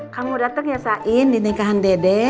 kamu dateng ya sain di nikahan dedek